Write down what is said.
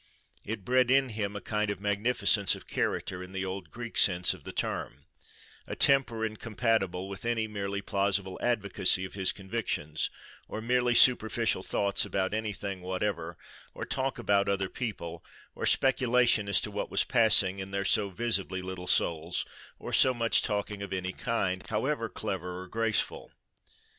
It bred in him a kind of magnificence of character, in the old Greek sense of the term; a temper incompatible with any merely plausible advocacy of his convictions, or merely superficial thoughts about anything whatever, or talk about other people, or speculation as to what was passing in their so visibly little souls, or much talking of any kind, however clever or graceful.